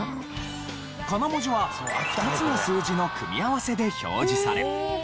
カナ文字は２つの数字の組み合わせで表示され。